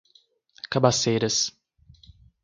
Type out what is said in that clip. Cabaceiras